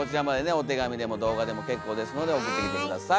お手紙でも動画でも結構ですので送ってきて下さい。